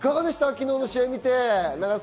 昨日の試合を見て。